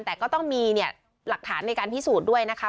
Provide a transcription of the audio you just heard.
แต่ก็ต้องมีหลักฐานในการพิสูจน์ด้วยนะคะ